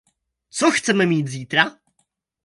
Co chceme mít zítra?